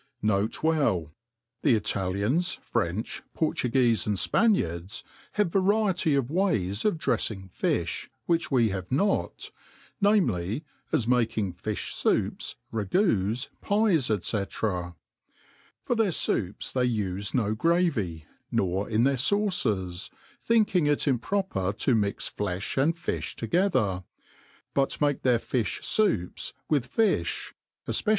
N. B. The Italians^ French, Portugucfe, and Spaniards^ have variety of ways of dreffing fifh, which We^ve not, viz. , As making fifb^foups, ra^od^, pies, &c. For their foups they ufe no gravy, nor in their fauces, think ing it improper to miK ilefh and fifh together ; but make their fifh foups with fiflb, vi^.